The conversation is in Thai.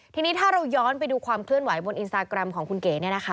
ทีนี้ถ้าเราย้อนไปดูความเคลื่อนไหวบนอินสตาแกรมของคุณเก๋